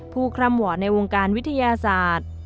ผู้คลำหว่อนในวงการวิทยาศาสตร์